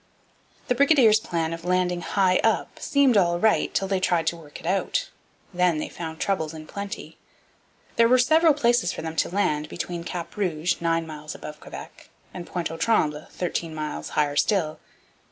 The brigadiers' plan of landing high up seemed all right till they tried to work it out. Then they found troubles in plenty. There were several places for them to land between Cap Rouge, nine miles above Quebec, and Pointe aux Trembles, thirteen miles higher still.